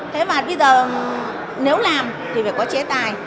thế mà bây giờ nếu làm thì phải có chế tài